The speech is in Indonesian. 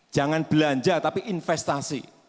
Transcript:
jangan belanja tapi investasi